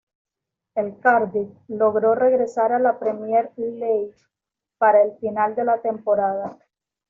El Cardiff logró regresar a la Premier League para el final de la temporada.